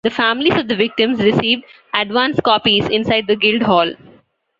The families of the victims received advance copies inside the Guildhall.